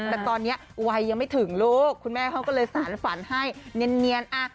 แต่ตอนนี้วัยยังไม่ถึงลูกคุณแม่เขาก็เลยสารฝันให้เนียน